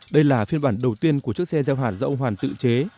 đây là phiên bản đầu tiên của chiếc xe gieo hạt do ông hoàn tự chế